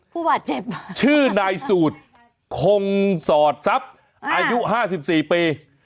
ผู้บาดเจ็บชื่อนายสูตรคงสอดทรัพย์อายุ๕๔ปี